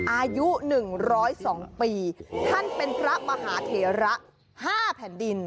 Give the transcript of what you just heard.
อายุ๑๐๒ปีท่านเป็นพระมหาเถระ๕แผ่นดิน